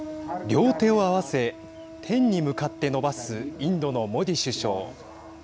両手を合わせ天に向かって伸ばすインドのモディ首相。